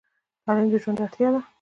تعلیم د ژوند اړتیا ده.